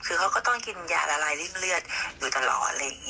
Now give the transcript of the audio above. คือเขาก็ต้องกินยาละลายริ่มเลือดอยู่ตลอด